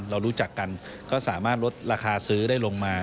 เรารู้จักกันก็สามารถลดราคาซื้อได้ลงมา